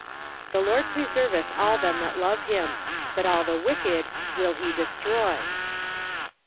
" The Lord preserveth all them that love him : but all the wicked will he destroy.